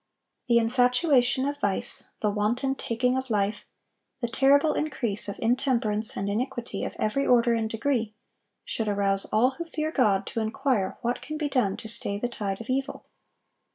The infatuation of vice, the wanton taking of life, the terrible increase of intemperance and iniquity of every order and degree, should arouse all who fear God, to inquire what can be done to stay the tide of evil.